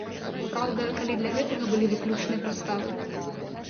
Праўда, калі для гэтага былі выключныя падставы.